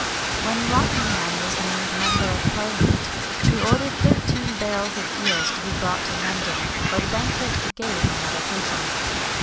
When Rockingham was named member of parliament, he ordered thirteen barrels of eels to be brought to London, for the banquet he gave on that occasion.